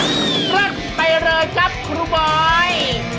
รักไปเลยครับครูบอย